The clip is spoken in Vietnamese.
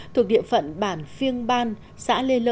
thuộc địa phận bản phiêng ban xã lê lơ